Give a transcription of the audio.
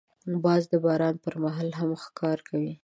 باز د باران پر مهال هم ښکار کوي